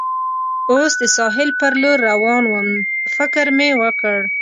اوس د ساحل پر لور روان ووم، فکر مې وکړ.